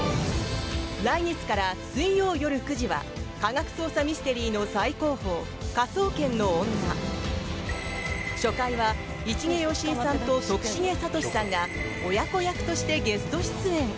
来月から水曜夜９時は科学捜査ミステリーの最高峰「科捜研の女」。初回は、市毛良枝さんと徳重聡さんが親子役としてゲスト出演。